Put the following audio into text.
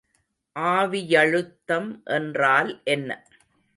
ஆவியழுத்தம் என்றால் என்ன?